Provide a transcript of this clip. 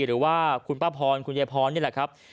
หรือว่าคุณป้าพรคุณยายพรนี่แหละครับ